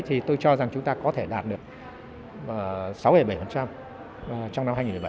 thì tôi cho rằng chúng ta có thể đạt được sáu bảy trong năm hai nghìn một mươi bảy